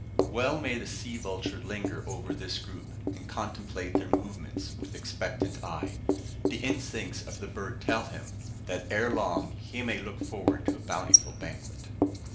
Well may the sea vulture linger over this group, and contemplate their movements with expectant eye. The instincts of the bird tell him, that ere long he may look forward to a bountiful banquet!